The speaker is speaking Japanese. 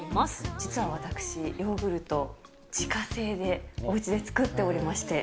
実は私、ヨーグルト、自家製で、おうちで作っておりまして。